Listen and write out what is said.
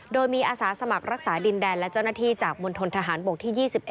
โดยมีอาสาสมัครรักษาดินแดนและเจ้าหน้าที่จากมณฑนทหารบกที่๒๑